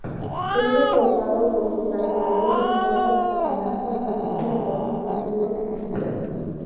Es recordado por sus naturalezas muertas con naranjas así como por sus desnudos cubistas.